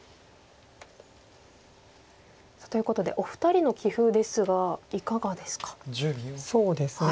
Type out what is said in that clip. ということでお二人の棋風ですがいかがですか？